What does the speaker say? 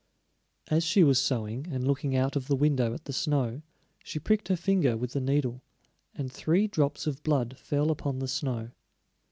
As she was sewing and looking out of the window at the snow, she pricked her finger with the needle, and three drops of blood fell upon the snow.